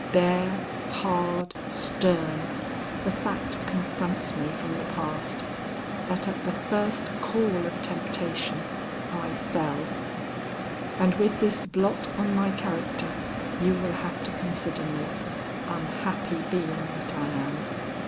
Bare, hard, stern, the fact confronts me from the past, that at the first call of temptation I fell; and with this blot on my character, you will have to consider me unhappy being that I am!